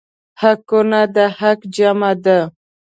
حقونه د حق جمع ده.